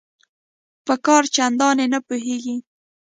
په کار چنداني نه پوهیږي